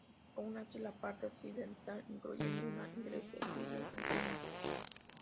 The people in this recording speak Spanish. Aun así la parte occidental, incluyendo una iglesia, sigue en ruinas.